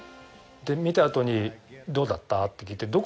で観たあとにどうだったって聞いて。